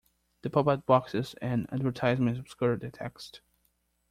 The pop-up boxes and advertisements obscured the text